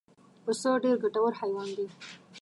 پسه ډېر ګټور حیوان دی.